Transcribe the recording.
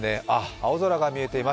青空が見えています。